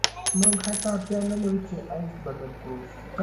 موږ حتی اړتیا نلرو چې ایس بدل کړو